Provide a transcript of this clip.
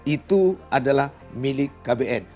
itu adalah milik kbn